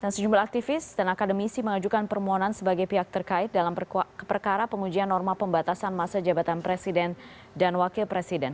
sejumlah aktivis dan akademisi mengajukan permohonan sebagai pihak terkait dalam perkara pengujian norma pembatasan masa jabatan presiden dan wakil presiden